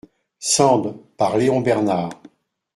Sand, par Léon Bernard.